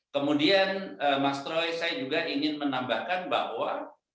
kemudian mas troy saya juga ingin menambahkan bahwa